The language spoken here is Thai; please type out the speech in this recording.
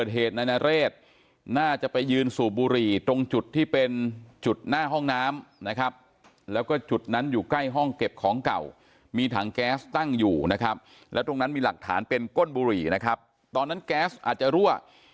หน้าห้องน้ำนะครับแล้วก็จุดนั้นอยู่ใกล้ห้องเก็บของเก่ามีถังแก๊สตั้งอยู่นะครับแล้วตรงนั้นมีหลักฐานเป็นก้นบุหรี่นะครับตอนนั้นแก๊สอาจจะรั่ว